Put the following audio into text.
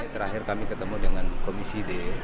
terakhir kami ketemu dengan komisi d